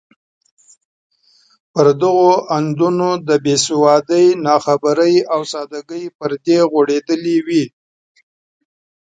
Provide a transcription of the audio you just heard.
پر دغو اندونو د بې سوادۍ، ناخبرۍ او سادګۍ پردې غوړېدلې وې.